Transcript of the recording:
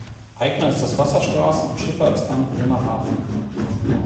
Eigner ist das Wasserstraßen- und Schifffahrtsamt Bremerhaven.